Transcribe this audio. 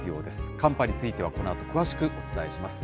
寒波については、このあと詳しくお伝えします。